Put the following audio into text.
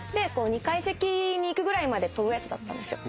２階席に行くぐらいまで飛ぶやつだったんですよ。